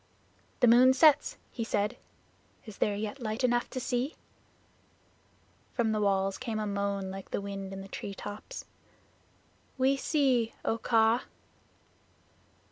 "The moon sets," he said. "Is there yet light enough to see?" From the walls came a moan like the wind in the tree tops "We see, O Kaa."